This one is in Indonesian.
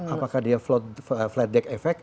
apakah dia flat deck effect